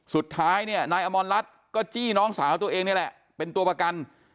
สุดท้ายเนี่ยนายอมรรัฐก็จี้น้องสาวตัวเองนี่แหละเป็นตัวประกัน